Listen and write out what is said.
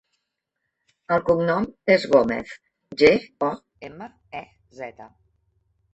El cognom és Gomez: ge, o, ema, e, zeta.